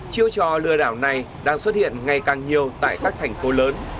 chiêu trò lừa đảo này đang xuất hiện ngày càng nhiều tại các thành phố lớn